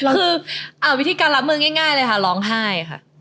คือวิธีการรับมือง่ายเลยค่ะร้องไห้ค่ะ